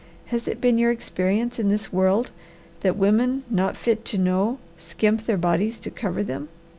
Has it been your experience in this world that women not fit to know skimp their bodies to cover them?